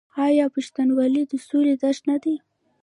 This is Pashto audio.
آیا پښتونولي د سولې درس نه دی؟